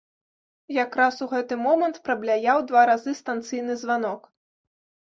Якраз у гэты момант прабляяў два разы станцыйны званок.